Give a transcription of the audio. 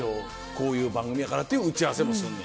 こういう番組やからっていう打ち合わせもすんねや。